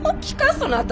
そなたら！